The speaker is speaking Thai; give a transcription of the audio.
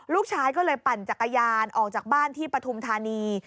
ลูกชายก็เลยปั่นจักรยานออกจากบ้านที่ปฐุมธานี